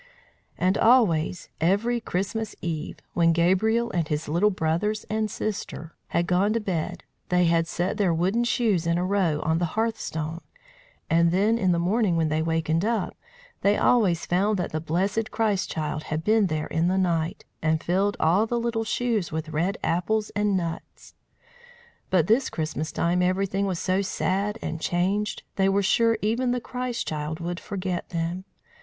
And always, every Christmas eve, when Gabriel and his little brothers and sister had gone to bed, they had set their wooden shoes in a row on the hearthstone; and then in the morning when they wakened up, they always found that the blessed Christ child had been there in the night, and filled all the little shoes with red apples and nuts. But this Christmas time everything was so sad and changed, they were sure even the Christ child would forget them.